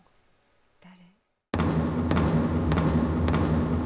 ・誰？